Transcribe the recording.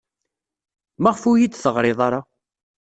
Maɣef ur iyi-d-teɣrim ara?